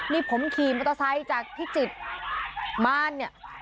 นี่ผมขี่มอเตอร์ไซค์จากพิจิตรมานเนี่ย